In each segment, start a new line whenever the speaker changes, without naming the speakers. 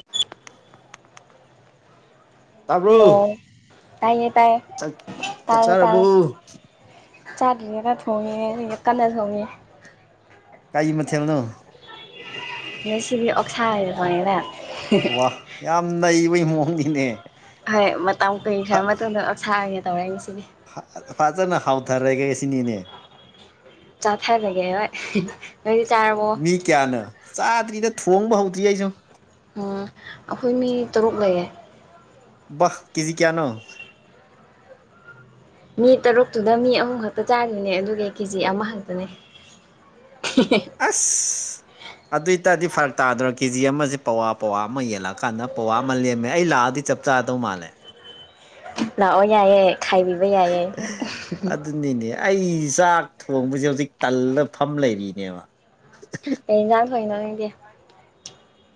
[unintelligible] ꯇꯥꯕꯔꯣ
ꯍꯜꯂꯣ ꯇꯥꯏꯌꯦ ꯇꯥꯏꯌꯦ
ꯆꯥꯛ
ꯇꯥꯔꯦ ꯇꯥꯔꯦ
ꯆꯥꯔꯕꯣ
ꯆꯥꯗ꯭ꯔꯤꯉꯦꯗ ꯊꯣꯡꯉꯦ ꯀꯟꯅ ꯊꯣꯡꯉꯤꯌꯦ
ꯀꯥ ꯃꯊꯦꯜꯅꯣ
ꯉꯁꯤꯗꯤ ꯑꯣꯛꯁꯥ ꯑꯣꯢꯅ ꯊꯣꯡꯉꯦꯗ
ꯋꯥ ꯌꯥꯝ ꯅꯩꯕꯩ ꯃꯑꯣꯡꯅꯤꯅꯦ
ꯍꯣꯏ ꯃꯇꯝ
ꯐ
ꯀꯨꯢꯈꯔ ꯃꯇꯨꯡꯗ ꯑꯣꯛꯁꯥ ꯑꯣꯢꯅ ꯇꯧꯔꯦ ꯉꯁꯤꯗꯤ
ꯐꯖꯅ ꯍꯥꯎꯊꯔꯒꯦ ꯁꯤꯅꯤꯅꯦ
ꯆꯥꯊꯥꯔꯒꯦ ꯍꯣꯢ ꯅꯣꯏꯗꯤ ꯆꯥꯔꯕꯣ
ꯃꯤ ꯀꯌꯥꯅꯣ ꯆꯥꯗ꯭ꯔꯤꯗ ꯊꯣꯡꯕ ꯍꯧꯗ꯭ꯔꯤ ꯑꯩꯖꯨ
ꯍꯣ ꯑꯈꯣꯏ ꯃꯤ ꯇꯔꯨꯛ ꯂꯩꯌꯦ
ꯚꯥꯍ ꯀꯦꯖꯤ ꯀꯌꯥꯅꯣ
ꯃꯤ ꯇꯔꯨꯛꯇꯨꯗ ꯃꯤ ꯑꯍꯨꯝ ꯈꯛꯇ ꯆꯥꯗꯣꯏꯅꯦ ꯑꯗꯨꯒꯤ ꯀꯦꯖꯤ ꯑꯃꯈꯛꯇꯅꯦ [unintelligible]
ꯑꯁ ꯑꯗꯨ ꯑꯣꯏꯇꯥꯔꯗꯤ ꯐꯔꯛ ꯇꯥꯗ꯭ꯔꯣ ꯀꯦꯖꯤ ꯑꯃꯖꯦ ꯄꯋꯥ ꯄꯋꯥ ꯑꯃ ꯌꯦꯜꯂꯛꯑꯀꯥꯟꯗ ꯄꯋꯥ ꯑꯃ ꯂꯦꯝꯃꯦ ꯑꯩ ꯂꯥꯛꯑꯗꯤ ꯆꯞ ꯆꯥꯗꯧ ꯃꯥꯜꯂꯦ
ꯂꯥꯛꯑꯣ ꯌꯥꯏꯌꯦ ꯈꯥꯏꯕꯤꯕ ꯌꯥꯏꯌꯦ
ꯎꯅꯤꯅꯦ ꯑꯩ ꯆꯥꯛ ꯊꯣꯡꯕꯖꯦ ꯍꯧꯖꯤꯛ ꯇꯜꯂ ꯐꯝ ꯂꯩꯔꯤꯅꯦꯕ
ꯀꯩ ꯏꯟꯖꯥꯡ ꯊꯣꯡꯉꯤꯅꯣ ꯅꯪꯗꯤ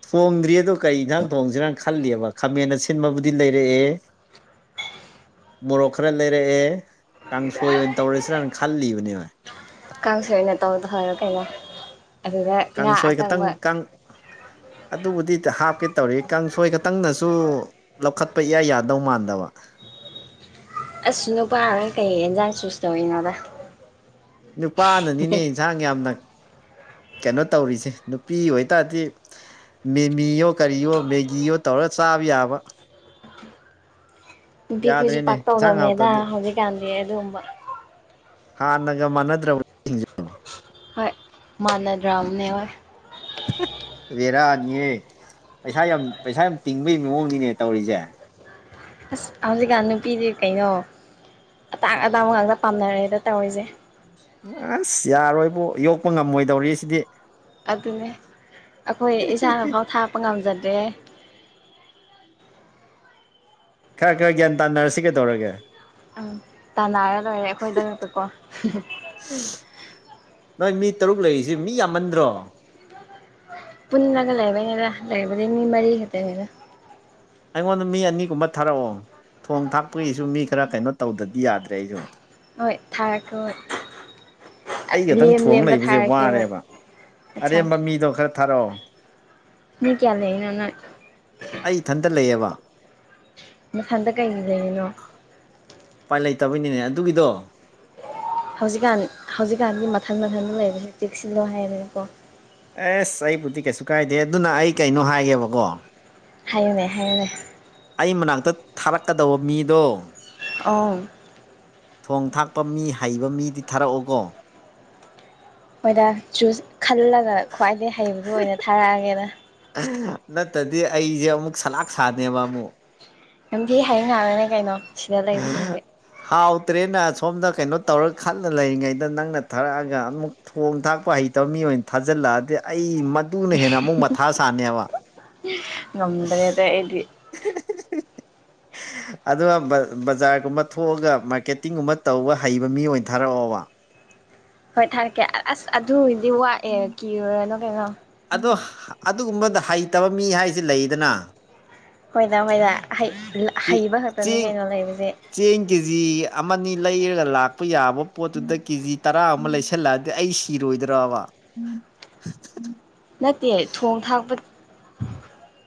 ꯊꯣꯡꯗ꯭ꯔꯤ ꯑꯗꯣ ꯀꯔꯤ ꯏꯟꯥꯡ ꯊꯣꯡꯖꯤꯔꯥꯅ ꯈꯜꯂꯤꯕ ꯈꯥꯃꯦꯟ ꯑꯁꯤꯟꯕꯕꯨꯗꯤ ꯂꯩꯔꯛꯑꯦ ꯃꯣꯔꯣꯛ ꯈꯔ ꯂꯩꯔꯛꯑꯦ ꯀꯥꯡꯁꯣꯏ ꯑꯣꯏꯅ ꯇꯧꯔꯁꯤꯔꯅ ꯈꯜꯂꯤꯕꯅꯦꯕ
ꯀꯥꯡꯁꯣꯢ ꯑꯣꯢꯅ ꯇꯧꯔꯗꯣ ꯐꯔ ꯀꯩꯅꯣ ꯑꯗꯨꯗ ꯉꯥ
ꯀꯥꯡꯁꯣꯏ
ꯑꯀꯪꯕ
ꯈꯇꯪ ꯀꯥꯡ ꯑꯗꯨꯕꯨꯗꯤ ꯇ ꯍꯥꯞꯀꯦ ꯇꯧꯔꯤ ꯀꯥꯡꯁꯣꯏ ꯈꯇꯪꯅꯁꯨ ꯂꯧꯈꯠꯄ ꯏꯌꯥ ꯌꯥꯗꯧ ꯃꯥꯟꯗꯕ
ꯑꯁ ꯅꯨꯄꯥ ꯑꯣꯢꯔ ꯀꯩ ꯏꯟꯖꯥꯡ ꯆꯨꯁ ꯇꯧꯔꯤꯅꯣꯗ
ꯅꯨꯄꯥꯅꯅꯤꯅꯦ ꯏꯟꯖꯥꯡ ꯌꯥꯝꯅ ꯀꯩꯅꯣ ꯇꯧꯔꯤꯁꯦ ꯅꯨꯄꯤ ꯑꯣꯏꯇꯥꯔꯗꯤ ꯃꯦꯃꯤꯌꯣ ꯀꯔꯤꯌꯣ ꯃꯦꯒꯤꯌꯣ ꯇꯧꯔ ꯆꯥꯕ ꯌꯥꯕ
ꯅꯨꯄꯤꯈꯣꯏꯖꯨ
ꯌꯥꯗ꯭ꯔꯦꯅꯦ ꯏꯟꯁꯥꯡ
ꯄꯥꯛꯇꯧꯗꯕꯅꯦꯗ
ꯍꯥꯎꯇꯗꯤ
ꯍꯧꯖꯤꯛꯀꯥꯟꯗꯤ ꯑꯗꯨꯒꯨꯝꯕ
ꯍꯥꯟꯅꯒ ꯃꯥꯟꯅꯗ꯭ꯔꯕ
ꯍꯣꯏ ꯃꯥꯟꯅꯗ꯭ꯔꯕꯅꯦ ꯍꯣꯏ
ꯕꯦꯔꯥꯅꯤꯌꯦ ꯄꯩꯁꯥ ꯌꯥꯝ ꯄꯩꯁꯥ ꯌꯥꯝ ꯇꯤꯡꯕꯩ ꯃꯑꯣꯡꯅꯤꯅꯦ ꯇꯧꯔꯤꯖꯦ
ꯑꯁ ꯍꯧꯖꯤꯛꯀꯥꯟ ꯅꯨꯄꯤꯗꯤ ꯀꯩꯅꯣ ꯑꯇꯥꯡ ꯑꯇꯥꯡꯕ ꯉꯥꯛꯇ ꯄꯥꯝꯅꯔꯦꯗ ꯇꯧꯔꯤꯖꯦ
ꯑꯁ ꯌꯥꯔꯣꯏꯕꯣ ꯌꯣꯛꯄ ꯉꯝꯃꯣꯏꯗꯧꯔꯤ ꯁꯤꯗꯤ
ꯑꯗꯨꯅꯦ ꯑꯩꯈꯣꯏ ꯏꯁꯥꯅꯐꯥꯎ ꯊꯥꯛꯄ ꯉꯝꯖꯗ꯭ꯔꯦ
ꯈꯔ ꯈꯔ ꯒ꯭ꯌꯥꯟ ꯇꯥꯅꯔꯁꯤ ꯀꯩꯗꯧꯔꯒꯦ
ꯑꯝ ꯇꯥꯟꯅꯔ ꯂꯣꯏꯔꯦ ꯑꯩꯈꯣꯏꯗ ꯂꯞꯀꯣ
ꯅꯣꯏ ꯃꯤ ꯇꯔꯨꯛ ꯂꯩꯔꯤꯖꯤ ꯃꯤ ꯌꯥꯝꯃꯟꯗ꯭ꯔꯣ
ꯄꯨꯟꯅꯒ ꯂꯩꯔꯕꯩꯅꯤꯗ ꯂꯩꯔꯕꯗꯤ ꯃꯤ ꯃꯔꯤ ꯈꯠꯇꯅꯤꯗ
ꯑꯩꯉꯣꯟꯗ ꯃꯤ ꯑꯅꯤꯒꯨꯝꯕ ꯊꯥꯔꯛꯑꯣ ꯊꯣꯡ ꯊꯥꯛꯄꯒꯤꯁꯨ ꯃꯤ ꯈꯔ ꯀꯩꯅꯣ ꯇꯧꯗꯗꯤ ꯌꯥꯗ꯭ꯔꯦ ꯑꯩꯖꯨ
ꯍꯣꯏ ꯊꯥꯔꯛꯀ ꯍꯣꯏ
ꯑꯩ ꯈꯇꯪ
ꯂꯦꯝ
ꯊꯣꯡ
ꯂꯦꯝꯕ
ꯂꯩꯕꯖꯦ
ꯊꯥꯔꯛꯀꯦ ꯍꯣꯏ
ꯋꯥꯔꯦꯕ
ꯑꯠꯁꯥ
ꯑꯔꯦꯝꯕ ꯃꯤꯗꯣ ꯈꯔ ꯊꯥꯔꯛꯑꯣ
ꯃꯤ ꯀꯌꯥ ꯂꯩꯏꯅꯣ ꯅꯣꯏ
ꯑꯩ ꯏꯊꯟꯇ ꯂꯩꯌꯦꯕ
ꯅꯊꯟꯗ ꯀꯩꯒꯤ ꯂꯩꯔꯤꯅꯣ
ꯎꯄꯥꯏ ꯂꯩꯇꯕꯩꯅꯤꯅꯦ ꯑꯗꯨꯒꯤꯗꯣ
ꯍꯧꯖꯤꯛꯀꯥꯟ ꯍꯧꯖꯤꯛꯀꯥꯟꯗꯤ ꯃꯊꯟ ꯃꯊꯟ ꯂꯩꯕꯁꯦ ꯆꯦꯛꯁꯤꯜꯂꯣ ꯍꯥꯏꯕꯅꯤꯀꯣ
ꯑꯦꯁ ꯑꯩꯕꯨꯗꯤ ꯀꯩꯁꯨ ꯀꯥꯏꯗꯦ ꯑꯗꯨꯅ ꯑꯩ ꯀꯩꯅꯣ ꯍꯥꯏꯒꯦꯕꯀꯣ
ꯍꯥꯏꯌꯨꯅꯦ ꯍꯥꯏꯌꯨꯅꯦ
ꯑꯩ ꯃꯅꯥꯛꯇ ꯊꯥꯔꯛꯀꯗꯧꯕ ꯃꯤꯗꯣ
ꯑꯥꯎ
ꯊꯣꯡ ꯊꯥꯛꯄ ꯃꯤ ꯍꯩꯕ ꯃꯤꯗꯤ ꯊꯥꯔꯛꯑꯣꯀꯣ
ꯍꯣꯏꯗ ꯆꯨꯁ ꯈꯜꯂꯒ ꯈ꯭ꯋꯥꯏꯗꯩ ꯍꯩꯕꯗꫭ ꯑꯣꯏꯅ ꯊꯥꯔꯛꯑꯒꯦꯗ
ꯅꯠꯇꯗꯤ ꯑꯩꯖ‌ꯦ ꯑꯃꯨꯛ ꯁꯂꯥꯛ ꯁꯥꯅꯦꯕ ꯑꯃꯨꯛ
ꯌꯝꯊꯤ ꯍ‌ꯩꯕ ꯉꯥꯛꯇꯅꯤ ꯀꯩꯅꯣ ꯁꯤꯗ ꯂꯩꯕꯁꯤꯡꯁꯦ
ꯍꯥꯎꯇ꯭ꯔꯦꯅ ꯁꯣꯝꯗ ꯀꯩꯅꯣ ꯇꯧꯔꯒ ꯈꯜꯂ ꯂꯩꯔꯤꯉꯩꯗ ꯅꯪꯅ ꯊꯔꯛꯑꯒ ꯑꯃꯨꯛ ꯊꯣꯡ ꯊꯥꯛꯄ ꯍꯩꯇꯕ ꯃꯤ ꯑꯣꯏꯅ ꯊꯥꯖꯤꯜꯂꯛꯑꯗꯤ ꯑꯩ ꯃꯗꯨꯅ ꯍꯦꯟꯅ ꯑꯃꯨꯛ ꯃꯊꯥ ꯁꯥꯅꯦꯕ
ꯉꯝꯗ꯭ꯔꯦꯗ ꯑꯩꯗꯤ
ꯑꯗꯨꯒ ꯕꯥ ꯕꯖꯥꯔꯒꯨꯝꯕ ꯊꯣꯛꯑꯒ ꯃꯥꯔꯀꯦꯇꯤꯡꯒꯨꯝꯕ ꯇꯧꯕ ꯍꯩꯕ ꯃꯤ ꯑꯣꯏꯅ ꯊꯥꯔꯛꯑꯣꯕ
ꯍꯣꯏ ꯊꯥꯔꯛꯀꯦ ꯑꯁ ꯑꯗꯨ ꯑꯣꯏꯗꯤ ꯋꯥꯠ ꯑ‌ꯦ ꯀꯤꯔꯨꯔꯅꯣ ꯀꯩꯅꯣ
ꯑꯗꯣ ꯑꯗꯨꯒꯨꯝꯕꯗ ꯍꯩꯇꯕ ꯃꯤ ꯍꯥꯏꯁꯤ ꯂꯩꯗꯅ
ꯍꯣꯏꯗ ꯍꯣꯏꯗ ꯍꯩ ꯂ
ꯀ‌ꯤꯠ ꯆꯤꯡ ꯆꯦꯡ ꯀꯦ ꯖꯤ ꯑꯃꯅꯤ ꯂꯩꯔꯒ ꯂꯥꯛꯄ ꯌꯥꯕ ꯄꯣꯠꯇꯨꯗ ꯀꯦꯖꯤ ꯇꯔꯥ ꯃꯨꯛ ꯂꯩꯁꯜꯂꯛꯑ ꯗꯤ ꯑꯩ ꯁꯤꯔꯣꯏꯗ꯭ꯔꯕ
[unintelligible]
[unintelligible]
ꯅꯠꯇꯦ ꯊꯣꯡ ꯊꯥꯛꯄ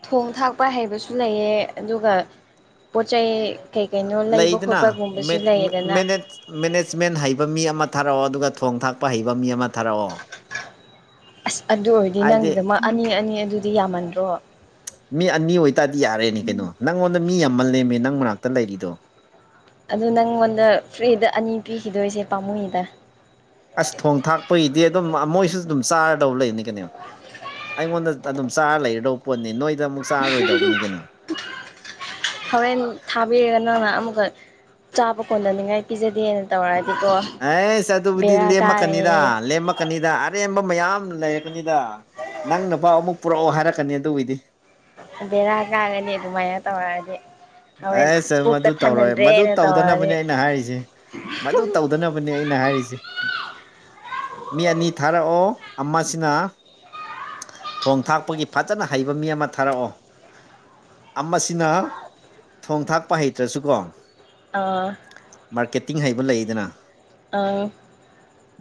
ꯊꯣꯡ ꯊꯥꯛꯄ ꯍꯩꯕꯁꯨ ꯂꯩ‌ꯌ‌ꯦ ꯑꯗꯨꯒ ꯄꯣꯠ ꯆꯩꯩ ꯀꯩ ꯀꯩꯅꯣ ꯂꯩꯕ
ꯂꯩꯗꯅ
ꯈꯣꯠꯄꯒꯨꯝꯕꯁꯨ ꯂꯩꯌꯦꯗꯅ
ꯃꯦꯅꯦꯖꯃꯦꯟ ꯍꯩꯕ ꯃꯤ ꯑꯃ ꯊꯥꯔꯛꯑꯣ ꯑꯗꯨꯒ ꯊꯣꯡ ꯊꯥꯛꯄ ꯍꯩꯕ ꯃꯤ ꯑꯃ ꯊꯥꯔꯛꯑꯣ
ꯑꯁ ꯑꯗꯨ ꯑꯣꯏꯔꯗꯤ
ꯍꯥꯏꯗꯤ
ꯅꯪꯒꯤꯗꯃꯛ ꯑꯅꯤ ꯑꯅꯤ ꯑꯗꯨꯗꯤ ꯌꯥꯝꯃꯟꯗ꯭ꯔꯣ
ꯃꯤ ꯑꯅꯤ ꯑꯣꯏꯇꯥꯔꯗꯤ ꯌꯥꯔꯦꯅꯦ ꯀꯩꯅꯣ ꯅꯪꯉꯣꯟꯗ ꯃꯤ ꯌꯥꯝꯃꯜꯂ‌ꯦꯃꯤ ꯅꯪ ꯃꯅꯥꯛꯇ ꯂꯩꯔꯤꯗꯣ
ꯑꯗꯨ ꯅꯪꯉꯣꯟꯗ ꯐ꯭ꯔꯤꯗ ꯑꯅꯤ ꯄꯤꯈꯤꯗꯣꯏꯁꯦ ꯄꯥꯝꯃꯨꯏꯗ
ꯑꯁ ꯊꯣꯡ ꯊꯥꯛꯄꯩꯗꯤ ꯑꯗꯨꯝ ꯑꯥ ꯃꯣꯏꯁꯨ ꯑꯗꯨꯝ ꯆꯥꯔꯗꯧ ꯂꯩꯅꯤ ꯀꯩꯅꫭ ꯑꯩꯉꯣꯟꯗ ꯑꯗꯨꯝ ꯆꯥꯔ ꯂꯩꯔꯗꯧ ꯄꯣꯠꯅꯤ ꯅꯣꯏ
ꯍꯧꯔꯦꯟ ꯊꯥꯕꯤꯔꯒ ꯅꯪꯅ ꯑꯃꯨꯛꯀ ꯆꯥꯕ ꯀꯣꯟꯅꯅꯤꯡꯉꯥꯏ ꯄꯤꯖꯗꯦꯅ ꯇꯧꯔꯛꯑꯗꯤꯀꯣ
ꯑꯩꯁ ꯑꯗꯨꯕꯨꯗꯤ
ꯕꯦꯔꯥ
ꯂꯦꯝꯃꯛꯀꯅꯤꯗ
ꯀꯥꯒꯅꯤꯍꯦ
ꯂ‌ꯦꯝꯃꯛ ꯀꯅꯤꯗ ꯑꯔꯦꯝꯕ ꯃꯌꯥꯝ ꯂꯩꯔꯛꯀꯅꯤꯗ ꯅꯪꯅ ꯄꯥꯎ ꯑꯃꯨꯛ ꯄꯨꯔꯛꯑꯣ ꯍꯥꯏꯔꯛꯀꯅꯤ ꯑꯗꯨꯒꯤꯗꯤ
ꯕꯦꯔꯥ ꯀꯥꯔꯦꯅ‌ꯦ ꯑꯗꯨꯃꯥꯏꯅ ꯇꯧꯔꯛꯑꯗꯤ ꯍꯣꯔꯦꯟ
ꯑꯥꯏꯁ ꯑꯥ
ꯄꯨꯛꯀ
ꯃꯗꯨ ꯇꯧꯔꯣꯏ ꯃꯗꯨ
ꯊꯟꯍꯟꯗ꯭ꯔꯦꯅ ꯇꯧꯔꯗꯤ
ꯇꯧꯗꯅꯕꯅꯦ ꯑꯩꯅ ꯍꯥꯏꯔꯤꯖꯦ ꯃꯗꯨ ꯇꯧꯗꯅꯕꯅꯦ ꯑꯩꯅ ꯍꯥꯏꯔꯤꯖꯦ ꯃꯤ ꯑꯅꯤ ꯊꯥꯔꯛꯑꯣ ꯑꯃꯁꯤꯅ ꯊꯣꯡ ꯊꯥꯛꯄꯒꯤ ꯐꯖꯅ ꯍꯩꯕ ꯃꯤ ꯑꯃ ꯊꯥꯔꯛꯑꯣ ꯑꯃꯁꯤꯅ ꯊꯣꯡ ꯊꯥꯛꯄ ꯍꯩꯇ꯭ꯔꯁꯨꯀꯣ
ꯑꯥ
ꯃꯥꯔꯀꯦꯇꯤꯡ ꯍꯩꯕ ꯂꯩꯗꯅ
ꯑꯧ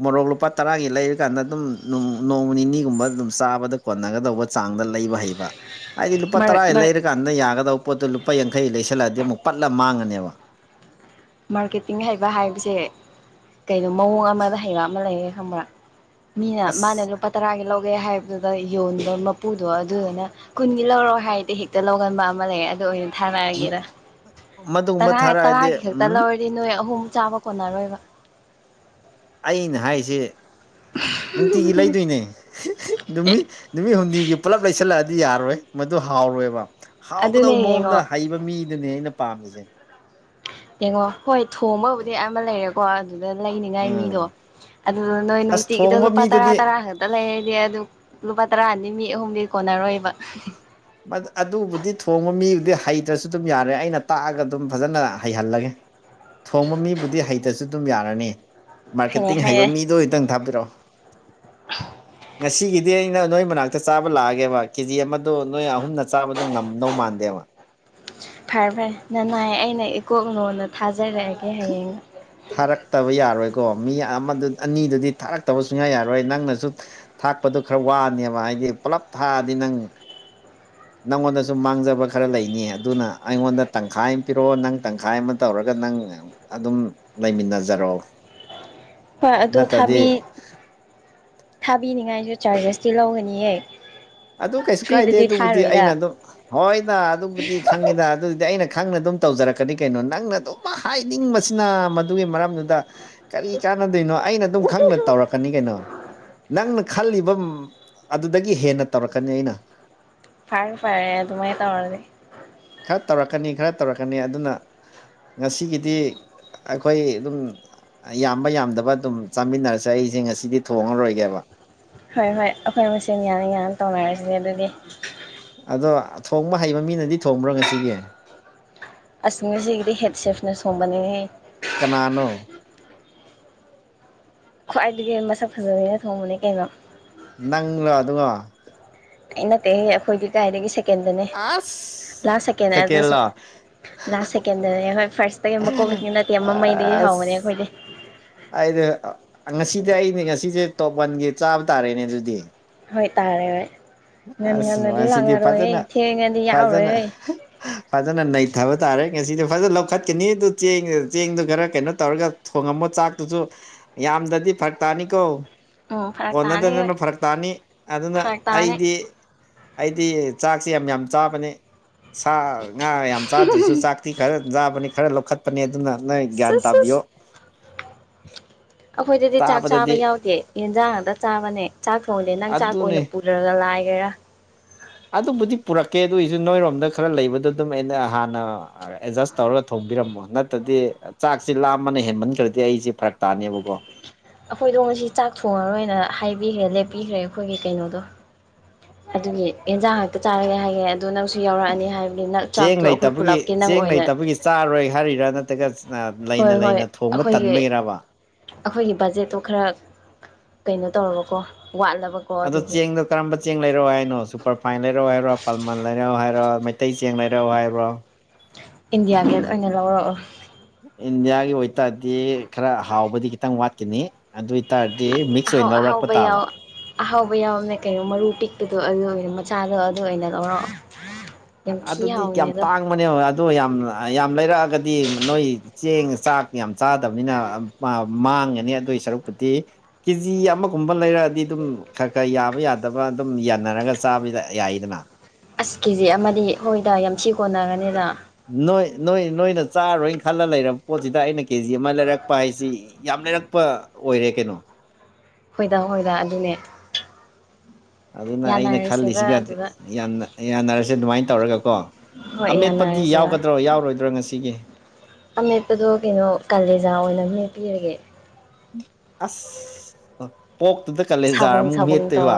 ꯃꯣꯔꯣꯛ ꯂꯨꯄꯥ ꯇꯔꯥꯒꯤ ꯂꯩꯔꯀꯥꯟꯗ ꯑꯗꯨꯝ ꯅꯣꯡꯃ ꯅꯤꯅꯤꯒꯨꯝꯕ ꯑꯗꯨꯝ ꯆꯥꯕꯗ ꯀꫭꯟꯅꯒꯗꯧꯕ ꯆꯥꯡꯗ ꯂꯩꯕ ꯍꯩꯕ ꯍꯥꯏꯗꯤ ꯂꯨꯄꯥꯏ
ꯃꯥꯔ
ꯇꯔꯥꯏꯒꯤ
ꯃꯥꯔ
ꯂꯩꯔ ꯀꯥꯟꯗ ꯌꯥꯒꯗꯕ ꯄꯣꯠꯇꯣ ꯂꯨꯄꯥ ꯌꯥꯡꯈꯩ ꯂꯩꯁꯜꯂꯛꯑꯗꯤ ꯑꯃꯨꯛ ꯄꯠꯂ ꯃꯥꯡꯉꯅꯦꯕ
ꯃꯥꯔꯀꯦꯇꯤꯡ ꯍꯩꯕ ꯍꯥꯏꯕꯁꯦ ꯀꯩꯅꯣ ꯃꯑꯣꯡ ꯑꯃꯗ ꯍꯩꯕ ꯑꯃ ꯂꯩꯌꯦ ꯈꯪꯕ꯭ꯔꯥ ꯃꯤꯅ
ꯑꯁ
ꯃꯥꯅ ꯂꯨꯄꯥ ꯇꯔꯥꯒꯤ ꯂꯧꯒꯦ ꯍꯥꯏꯕꯗꯨꯗ ꯌꯣꯟꯕ ꯃꯄꯨꯗꯣ ꯑꯗꯨꯗꯨꯅ ꯀꯨꯟꯒꯤ ꯂꯧꯔꯣꯑꯣ ꯍꯥꯏꯔꯗꯤ ꯍꯦꯛꯇ ꯂꯧꯒꯟꯕ ꯑꯃ ꯂꯩꯌꯦ ꯑꯗꯣ ꯑꯩ ꯊꯥꯔꯛꯑꯒꯦꯗ
ꯃꯗꯨꯒꯨꯝꯕ
ꯇꯔꯥ
ꯊꯥꯔꯛꯑꯗꯤ
ꯇꯔꯥꯒꯤ ꯈꯛꯇ
ꯎꯝ
ꯂꯧꯔꯗꯤ ꯅꯣꯏ ꯑꯍꯨꯝ ꯆꯥꯕ ꯀꯣꯟꯅꯔꯣꯏꯕ
ꯑꯩꯅ ꯍꯥꯏꯁꯤ ꯅꯨꯡꯇꯤꯒꯤ ꯂꯩꯗꯣꯏꯅꯤ ꯅꯨꯃꯤꯠ ꯅꯨꯃꯤꯠ ꯍꯨꯝꯅꯤꯒꯤ ꯄꯨꯜꯂꯞ ꯂꯩꯁꯜꯂꯛꯑꯗꯤ ꯌꯥꯔꯣꯏ ꯃꯗꯨ ꯍꯥꯎꯔꯣꯏꯕ
ꯑꯗꯨꯅꯦ
ꯍꯥꯎꯒꯗꯕ
ꯌꯦꯡꯉꯣ
ꯃꯑꯣꯡꯗ ꯍꯩꯕ ꯃꯤꯗꯨꯅꯦ ꯑꯩꯅ ꯄꯥꯝꯃꯤꯖꯦ
ꯌꯦꯡꯉꯣ ꯍꯣꯏ ꯊꯣꯡꯕꯕꯨꯗꯤ ꯑꯃ ꯂꯩꯔ‌ꯦ ꯀꯣ ꯑꯗꯨꯗ ꯂꯩꯅꯤꯉꯥꯏ ꯃꯤꯗꯣ
ꯎꯝ
ꯑꯗꯨꯗ ꯅꯣꯏ
ꯑꯁ
ꯅꯨꯡꯇꯤꯒꯤꯗꫭ
ꯊꯣꯡꯕ
ꯂꯨꯄꯥ ꯇꯔꯥ
ꯃꯤꯗꯨꯗꯤ
ꯇꯔꯥ ꯈꯛ ꯂꯩꯔꯗꯤ ꯑꯗꯨ ꯂꯨꯄꯥ ꯇꯔꯥꯅꯤ ꯃꯤ ꯑꯍꯨꯝꯗꯤ ꯀꯣꯟꯅꯔꯣꯏꯕ
ꯃꯥ ꯑꯗꯨꯕꯨꯗꯤ ꯊꯣꯡꯕ ꯃꯤꯕꯨꯗꯤ ꯍꯩꯇ꯭ꯔꯁꯨ ꯑꯗꯨꯝ ꯌꯥꯔꯦ ꯑꯩꯅ ꯇꯥꯛꯑꯒ ꯑꯗꯨꯝ ꯐꯖꯅ ꯍꯩꯍꯜꯂꯒꯦ
[unintelligible]
ꯊꯣꯡꯕ ꯃꯤꯕꯨꯗꯤ ꯍꯩꯇꯁꯨ ꯑꯗꯨꯝ ꯌꯥꯔꯅꯤ
ꯍꯥꯏꯅ
ꯃꯥꯔꯀꯦꯠꯇꯤꯡ ꯍꯩꯕ
ꯍꯥꯏꯔꯛꯑꯦ
ꯃꯤꯗꯣ ꯑꯣꯏꯇꯪ ꯊꯥꯕꯤꯔꯛꯑꯣ ꯉꯁꯤꯒꯤꯗꯤ ꯑꯩꯅ ꯅꯣꯏ ꯃꯅꯥꯛꯇ ꯆꯥꯕ ꯂꯥꯛꯑꯒꯦꯕ ꯀꯦꯖꯤ ꯑꯃꯗꯣ ꯅꯣꯏ ꯑꯍꯨꯝꯅ ꯆꯥꯕꯗꯣ ꯉꯝꯗꯧ ꯃꯥꯟꯗꯦꯕ
ꯐꯔꯦ ꯐꯔꯦ ꯅꯅꯥꯏ ꯑꯩꯅ ꯏꯀꯣꯛꯅꯣꯟꯅ ꯊꯥꯖꯔꯛꯑꯒꯦ ꯍꯌꯦꯡ
ꯊꯥꯔꯛꯇꯕ ꯌꯥꯔꯣꯏꯀꯣ ꯃꯤ ꯑꯃꯗꯨ ꯑꯅꯤꯗꯨꯗꯤ ꯊꯥꯔꯛꯇꯕ ꯁꯨꯡꯌꯥ ꯌꯥꯔꯣꯏ ꯅꯪꯅꯁꯨ ꯊꯥꯛꯄꯗꯨꯣ ꯈꯔ ꯋꯥꯅꯦꯕ ꯍꯥꯏꯗꯤ ꯄꯨꯜꯂꯞ ꯊꯥꯛꯑꯗꯤ ꯅꯪ ꯅꯪꯉꯣꯟꯗꯁꯨ ꯃꯥꯡꯖꯕ ꯈꯔ ꯂꯩꯅꯤ ꯑꯗꯨꯅ ꯑꯩꯉꯣꯟꯗ ꯇꯪꯈꯥꯏ ꯑꯃ ꯄꯤꯔꯛꯑꯣ ꯅꯪ ꯇꯪꯈꯥꯏ ꯑꯃ ꯇꯧꯔꯒ ꯅꯪ ꯑꯗꯨꯝ ꯂꯩꯃꯤꯟꯅꯖꯔꯣ
ꯍꯣꯏ ꯑꯗꯣ ꯊꯥꯕꯤ
ꯅꯠꯇ꯭ꯔꯗꯤ
ꯊꯥꯕꯤꯅꯤꯡꯉꯥꯏꯖꯨ ꯆꯥꯔꯖꯦꯁꯇꯤ ꯂꯧꯒꯅꯤꯌꯦ
ꯑꯗꯨ ꯀꯩꯁꯨ ꯀꯥꯏꯗꯦ
ꯐ꯭ꯔꯤꯗꯗꯤ
ꯑꯗꯨꯕꯨꯗꯤ
ꯊꯥꯔꯣꯏꯗ
ꯑꯩꯅ ꯑꯗꯨꯝ ꯍꯣꯏꯗ ꯑꯗꯨꯕꯨꯗꯤ ꯈꯪꯉꯤꯗ ꯑꯗꯨꯗꯤ ꯑꯩꯅ ꯈꯪꯅ ꯑꯗꯨꯝ ꯇꯧꯖꯔꯛꯀꯅꯤ ꯀꯩꯅꯣ ꯅꯪꯅ ꯑꯗꯨꯝ ꯍꯥꯏꯅꯤꯡꯕꯁꯤꯅ ꯃꯗꯨꯒꯤ ꯃꯔꯝꯗꯨꯗ ꯀꯔꯤ ꯀꯥꯟꯅꯗꯣꯏꯅꯣ ꯑꯩꯅ ꯑꯗꯨꯝ ꯈꯪꯅ ꯇꯧꯔꯛꯀꯅꯤ ꯀꯩꯅꯣ ꯅꯪꯅ ꯈꯜꯂꯤꯕꯝ ꯑꯗꯨꯗꯒꯤ ꯍꯦꯟꯅ ꯇꯧꯔꯛꯀꯅꯤ ꯑꯩꯅ
ꯐꯥꯔꯦ ꯐꯔꯦ ꯑꯗꯨꯃꯥꯏ ꯇꯧꯔꯖꯤ
ꯈꯔ ꯇꯧꯔꯛꯀꯅꯤ ꯈꯔ ꯇꯧꯔꯛꯀꯅꯤ ꯑꯗꯨꯅ ꯉꯁꯤꯒꯤꯗꯤ ꯑꯩꯈꯣꯏ ꯑꯗꯨꯝ ꯌꯥꯝꯕ ꯌꯥꯝꯗꯕ ꯑꯗꯨꯝ ꯆꯥꯃꯤꯟꯅꯔꯁꯦ ꯑꯩꯁꯦ ꯉꯁꯤꯗꯤ ꯊꯣꯡꯉꯔꯣꯏꯒꯦꯕ
ꯍꯣꯏ ꯍꯣꯏ ꯑꯩꯈꯣꯏ ꯃꯁꯦꯟ ꯌꯥꯅꯤ ꯌꯥꯅ ꯇꯧꯅꯔꯁꯤꯅꯦ ꯑꯗꯨꯗꯤ
ꯑꯗꯣ ꯊꯣꯡꯕ ꯍꯩꯕ ꯃꯤꯅꯗꯤ ꯊꯣꯡꯕ꯭ꯔꯥ ꯉꯁꯤꯒꯤ
ꯑꯁꯤꯒꯤꯗꯤ ꯍꯦꯠ ꯁꯦꯐꯅ ꯁꯣꯡꯕꯅꯤꯍꯦ
ꯀꯅꯥꯅꯣ
ꯈ꯭ꯋꯥꯏꯗꯒꯤ ꯃꯁꯛ ꯐꯖꯕꯤꯅ ꯊꯣꯡꯕꯅꯤ ꯀꯩꯅꯣ
ꯅꯪꯂꯣ ꯑꯗꯨꯒꯣ
ꯑꯩ ꯅꯠꯇꯦꯍꯦ ꯑꯩꯈꯣꯏꯒꯤ ꯀꯥꯏꯗꯒꯤ ꯁꯦꯀꯦꯟꯗꯅꯦ
ꯑꯁ
ꯂꯥꯁ ꯁꯦꯀꯦꯟ ꯑꯗꯨꯁꯨ
ꯁꯦꯀꯦꯟꯂꯣ
ꯂꯥꯁ ꯁꯦꯀꯦꯟꯗꯅꯦ ꯍꯣꯏ ꯐ꯭ꯥꯔꯁꯇꯒꯤ ꯃꯀꯣꯛ ꯅꯠꯇꯦ ꯃꯃꯩꯗꯒꯤ ꯍꯧꯕꯅꯦ
ꯑꯁ
ꯑꯩꯈꯣꯏꯗꯤ
ꯑꯩꯗꯤ ꯉꯁꯤꯗꯤ ꯑꯩꯅꯦ ꯉꯁꯤꯁꯦ ꯇꯣꯞ ꯋꯥꯟꯒꯤ ꯆꯥꯕ ꯇꯥꯔꯦꯅꯦ ꯑꯗꯨꯗꯤ
ꯍꯣꯏ ꯇꯥꯔꯦ ꯍꯣꯏ ꯉꯟ
ꯑꯁ
ꯉꯟꯅꯗꯤ
ꯉꯁꯤꯗꯤ
ꯂꯥꯛꯅꯔꯣꯏꯍꯦ ꯊꯦꯡꯉꯗꯤ ꯌꯥꯎꯔꯣꯏꯍꯩ
ꯐꯖꯅꯥ ꯅꯩꯊꯕ ꯇꯥꯔꯦ ꯉꯁꯤꯗꯤ ꯐꯖꯅꯥ ꯂꯧꯈꯠꯀꯅꯤ ꯑꯗꯨ ꯆꯦꯡ ꯆꯦꯡꯗꯨ ꯈꯔ ꯀꯩꯅꯣ ꯇꯧꯔꯒ ꯊꯣꯡꯉꯝꯃꫭ ꯆꯥꯛꯇꯨꯁꯨ ꯌꯥꯝꯗꯔꯗꯤ ꯐꯔꯛ ꯇꯥꯅꯤꯀꯣ
ꯎꯝ ꯐꯔꯛ ꯇꯥꯅꯤ ꯍꯣꯏ
ꯀꯣꯟꯅꯗꯗꯅ ꯐꯔꯛ ꯇꯥꯅꯤ ꯑꯗꯨꯅ
ꯐꯔꯛ ꯇꯥꯅꯤ
ꯑꯩ ꯑꯩꯗꯤ ꯆꯥꯛꯁꯤ ꯌꯥꯝ ꯌꯥꯝ ꯆꯥꯕꯅꯦ ꯁꯥ ꯉꯥ ꯌꯥꯝ ꯌꯥꯝ ꯆꯥꯗ꯭ꯔꯁꯨ ꯆꯥꯛꯇꯤ ꯈꯔ ꯆꯥꯕꯅꯤ ꯈꯔ ꯂꯧꯈꯠꯄꯅꯤ ꯑꯗꯨꯅ ꯅꯣꯏ ꯒ꯭ꯌꯥꯟ
ꯁꯤꯁ
ꯇꯥꯕꯤꯌꯣ꯫
ꯁꯤꯁ ꯑꯩꯈꯣꯏꯗꯗꯤ ꯆꯥꯛ ꯆꯥꯕ
ꯆꯥꯕꯗꯗꯤ
ꯌꯥꯎꯗꯦ ꯌꯦꯟꯁꯥꯡ ꯉꯥꯛꯇ ꯆꯥꯕꯅꯦ꯫ ꯆꯥꯛ ꯊꯣꯡꯗꯦ ꯅꯪ ꯆꯥꯛ ꯑꯣꯏꯅ
ꯑꯗꯨꯅꯤ
ꯄꯨꯜꯔꯒ ꯂꯥꯏꯒꯦꯔꯥ
ꯑꯗꯨꯕꯨꯗꯤ ꯄꯨꯔꯛꯀꯦ ꯑꯗꯨ ꯑꫭꯏꯁꯨ ꯅꯣꯏꯔꯣꯝꯗ ꯈꯔ ꯂꯩꯕꯗ ꯑꯗꯨꯝ ꯑꯩꯅ ꯍꯥꯟꯅ ꯑꯦꯗꯖꯁ ꯇꯧꯔꯒ ꯊꯧꯕꯤꯔꯝꯃꯣ ꯅꯠꯇꯗꯤ꯫ ꯆꯥꯛꯁꯤ ꯂꯥꯝꯃꯅꯥ ꯍꯦꯟꯃꯟꯈ꯭ꯔꯗꯤ ꯑꯩꯁꯦ ꯐꯔꯛ ꯇꯥꯅꯦꯕꯀꯣ
ꯑꯩꯈꯣꯏꯗꯣ ꯉꯁꯤ ꯆꯥꯛ ꯊꯣꯡꯉꯔꯣꯏꯅ ꯍꯥꯏꯕꯤꯈ꯭ꯔꯦ ꯂꯦꯞꯄꯤꯈ꯭ꯔꯦ ꯑꯩꯈꯣꯏꯒꯤ ꯀꯩꯅꯣꯗꯣ ꯑꯗꯨꯒꯤ ꯑꯦꯟꯖꯥꯡ ꯉꯥꯛꯇ ꯆꯥꯔꯒꯦ ꯍꯥꯏꯒꯦ ꯑꯗꯨ ꯅꯪꯁꯨ ꯌꯥꯎꯔꯛꯑꯅꯤ ꯍꯥꯏ ꯕꯤꯅꯛ
ꯆꯦꯡ
ꯆꯥꯛꯇꯣ ꯑꯩꯈꯣꯏ
ꯂꯩꯇꯕꯒꯤ
ꯄꯨꯜꯂꯞꯀꯤ ꯅꯪ
ꯆꯦꯡ
ꯑꯣꯏꯅ
ꯂꯩꯇꯕꯒꯤ ꯆꯥꯔꯣꯏ ꯍꯥꯏꯔꯤꯔꯥ ꯅꯠꯇ꯭ꯔꯒ ꯑ
ꯍꯣꯏ
ꯂꯩꯅ
ꯍꯣꯏ
ꯂꯩꯅ ꯊꯣꯡꯕ
ꯑꯩꯈꯣꯏꯒꯤ
ꯇꯟꯕꯒꯤꯔꯕꯥ
ꯑꯩꯈꯣꯏꯒꯤ ꯕꯖꯦꯠꯇꯣ ꯈꯔ ꯀꯩꯅꯣ ꯇꯧꯔꯕꯀꯣ ꯋꯥꯠꯂꯕ
ꯑꯗꯣ ꯆꯦꯡꯗꫭ ꯀꯔꯝꯕ ꯆꯦꯡ ꯂꯩꯔꯑꯣ ꯍꯥꯏꯅꯣ ꯁꯨꯄꯔ ꯐꯥꯏꯟ ꯂꯩꯔꯑꯣ ꯍꯥꯏꯔꯣ ꯄꯥꯜꯃꯟ ꯂꯩꯔꯑꯣ ꯍꯥꯏꯔꯣ ꯃꯩꯇꯩ ꯆꯦꯡ ꯂꯩꯔꯎ ꯍꯥꯏꯕꯔꯣ
ꯏꯟꯗꯤꯌꯥ ꯒꯦꯠ ꯑꯣꯏꯅ ꯂꯧꯔꯛꯑꯣ
ꯏꯟꯗꯤꯌꯥꯒꯤ ꯑꯣꯏꯇꯥꯔꯗꯤ ꯈꯔ ꯍꯥꯎꯕꯗꯤ ꯈꯤꯇꯪ ꯋꯥꯠꯀꯅꯤ꯫ ꯑꯗꯨ ꯑꯣꯏꯇꯥꯔꯗꯤ ꯃꯤꯛꯁ
ꯑꯍꯥꯎ
ꯑꯣꯏꯅ ꯂꯧꯔꯛꯄ
ꯑꯍꯥꯎꯕ
ꯇꯥꯕ꯫
ꯌꯥꯎ ꯑꯍꯥꯎꯕ ꯌꯥꯎꯕꯃꯦ ꯀꯩꯅꯣ ꯃꯔꯨ ꯄꯤꯛꯄꯗꯣ ꯑꯗꯨ ꯑꯣꯏꯅ ꯃꯆꯥꯗꯣ ꯑꯗꯨ ꯑꯣꯏꯅ ꯂꯧꯔꯛ
ꯑꯗꯨꯗꯤ ꯀꯌꯥꯝ ꯇꯥꯡꯕꯅꯦ [unintelligible] ꯑꯗꯨ ꯌꯥꯝ ꯌꯥꯝ ꯂꯩꯔꯛꯑꯒꯗꯤ ꯅꯣꯏ꯫ ꯆꯦꯡ ꯆꯥꯛ ꯌꯥꯝ ꯆꯥꯗꯕꯅꯤꯅ ꯃꯥ ꯃꯥꯡꯉꯅꯤ ꯑꯗꯨꯏ ꯁꯔꯨꯛꯄꯨꯗꯤ꯫ ꯀꯦꯖꯤ ꯑꯃꯒꯨꯝꯕ ꯂꯩꯔꯛꯑꯗꯤ ꯑꯗꯨꯝ ꯈꯔ ꯈꯔ ꯌꯥꯕ ꯌꯥꯗꯕ ꯑꯗꯨꯝ ꯌꯥꯟꯅꯔꯒ ꯆꯥꯕꯗꯤ ꯌꯥꯏꯗꯅ
ꯑꯁ ꯀꯦꯖꯤ ꯑꯃꯗꯤ ꯍꯣꯏꯗ ꯌꯥꯝ ꯊꯤ ꯀꯣꯟꯅꯔꯅꯤꯗꯥ
ꯅꯣꯏ ꯅꯣꯏ ꯅꯣꯏꯅ ꯆꯥꯔꯣꯏ ꯈꯜꯂꯥ ꯂꯩꯔ ꯄꯣꯠꯁꯤꯗ ꯑꯩꯅ ꯀꯦꯖꯤ ꯑꯃ ꯂꯩꯔꯛꯄ ꯍꯥꯏꯁꯤ ꯌꯥꯝ ꯂꯩꯔꯛꯄ ꯑꯣꯏꯔꯦ ꯀꯩꯅꯣ꯫
ꯍꯣꯏꯗ ꯍꯣꯏꯗ ꯑꯗꯨꯅꯦ
ꯑꯗꯨꯅ ꯑꯩꯅ
ꯌꯥꯅꯔꯁꯦꯕ
ꯈꯜꯂꯤꯁꯤꯒꯗꯤ
ꯑꯗꯨꯗ
ꯌꯥꯅ ꯌꯥꯅꯔꯁꯦ ꯑꯗꯨꯃꯥꯏꯅ ꯇꯧꯔꯒꯀꯣ
ꯍꯣꯏ
ꯑꯃꯦꯠꯄꯗꯤ
ꯌꯥꯅꯔꯁꯦ ꯍꯣꯏ
ꯌꯥꯎꯒꯗ꯭ꯔꯣ ꯌꯥꯎꯔꯣꯏꯗ꯭ꯔꯣ ꯉꯁꯤꯒꯤ
ꯑꯃꯦꯠꯄꯗꯣ ꯀꯩꯅꯣ ꯀꯥꯂꯦꯖꯥ ꯑꯣꯏꯅ ꯃꯦꯞꯄꯤꯔꯒꯦ꯫
ꯑꯁ ꯑꯥ ꯄꯣꯛꯇꯨꯗ ꯀꯥꯂꯦꯖꯥꯔ ꯑꯃꯨꯛ ꯃꯦꯠꯇꯣꯏꯕ